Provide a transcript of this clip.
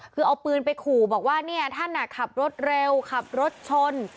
คือเอาปืนไปขู่บอกว่าเนี่ยท่านขับรถเร็วขับรถชน